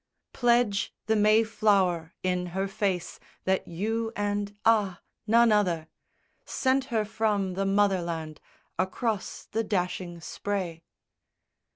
Pledge the may flower in her face that you and ah, none other, Sent her from the mother land Across the dashing spray.